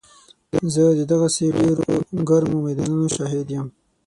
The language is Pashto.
زه د دغسې ډېرو ګرمو میدانونو شاهد یم.